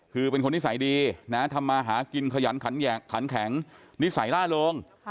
คือเป็นคนนิสัยดีนะทำมาหากินขยันขันแข็งนิสัยล่าเริง